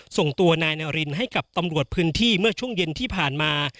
ส่งตัวนายนารินให้กับตำรวจพื้นที่เมื่อช่วงเย็นที่ผ่านมา